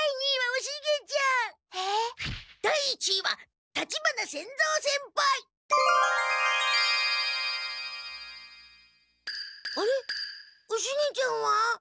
おシゲちゃんは？